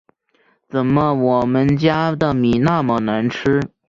怎么我们家的米那么难吃